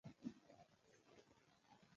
کله چې د معادلې د دواړو خواوو کتله برابره وي.